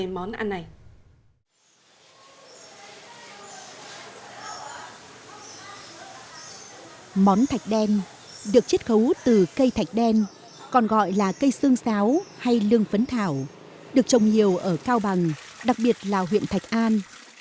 món thạch đen được chất khấu từ cây thạch đen còn gọi là cây xương sáo hay lương phấn thảo được trồng nhiều ở cao bằng đặc biệt là huyện thạch an